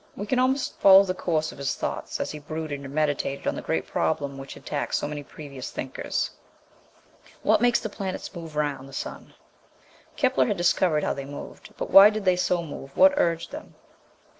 We can almost follow the course of his thoughts as he brooded and meditated on the great problem which had taxed so many previous thinkers, What makes the planets move round the sun? Kepler had discovered how they moved, but why did they so move, what urged them?